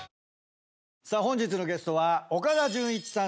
さあ本日のゲストは岡田准一さん